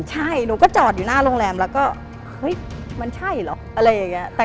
ใช่หนูก็จอดอยู่หน้าโรงแรมแล้วก็เฮ้ยมันใช่เหรออะไรอย่างนี้